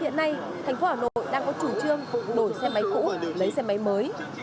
hiện nay thành phố hà nội đang có chủ trương đổi xe máy cũ lấy xe máy mới